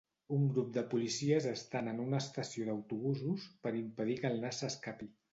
Un grup de policies estan en una estació d'autobusos, per impedir que el nas s'escapi.